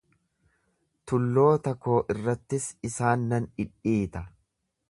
Tulloota koo irrattis isaan nan dhidhiita.